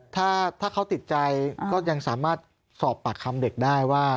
ถ้าเขาติดใจก็ยังสามารถสอบปากคำเด็กได้ว่า